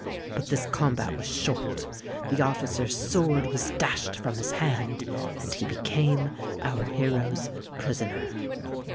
But this combat was short; the officer's sword was dashed from his hand; and he became our hero's prisoner.